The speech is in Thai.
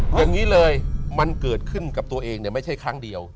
อย่างนี้เลยมันเกิดขึ้นกับตัวเองไม่ใช่ครั้งเดียว